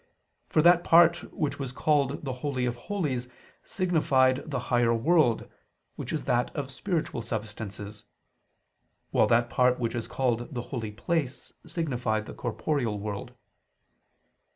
For that part which was called the Holy of Holies signified the higher world, which is that of spiritual substances: while that part which is called the Holy Place signified the corporeal world.